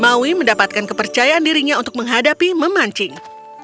maui mendapatkan kepercayaan dirinya untuk menghadapi memancing